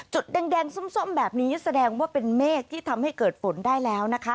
แดงส้มแบบนี้แสดงว่าเป็นเมฆที่ทำให้เกิดฝนได้แล้วนะคะ